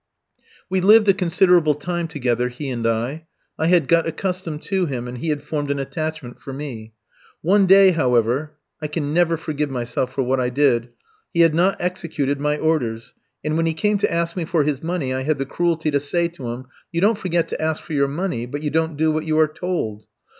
We lived a considerable time together, he and I; I had got accustomed to him, and he had formed an attachment for me. One day, however I can never forgive myself for what I did he had not executed my orders, and when he came to ask me for his money I had the cruelty to say to him, "You don't forget to ask for your money, but you don't do what you are told."